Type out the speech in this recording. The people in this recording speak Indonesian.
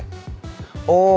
kayak anak kecil aja